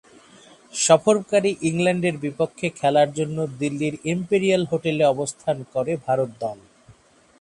সফরকারী ইংল্যান্ডের বিপক্ষে খেলার জন্য দিল্লির ইম্পেরিয়াল হোটেলে অবস্থান করে ভারত দল।